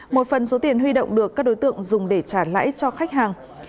một phần số tiền huy động được các đối tượng dùng để trả lãi cho khách hàng